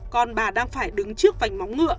còn bà đang phải đứng trước vành móng ngựa